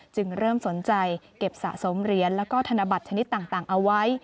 จึงเริ่มสนใจเก็บสะสมเหรียญแล้วก็ธนบัตรชนิดต่างเอาไว้